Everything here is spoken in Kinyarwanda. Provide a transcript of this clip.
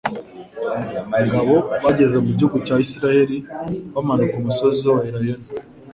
Ngabo bageze mu gihugu cya Isiraeli bamanuka umusozi wa Elayono,